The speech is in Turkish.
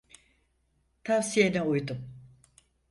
Tavsiyene uydum.